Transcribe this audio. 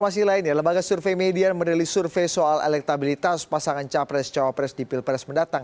informasi lainnya lembaga survei media menerlis survei soal elektabilitas pasangan capres cawapres di pilpres mendatang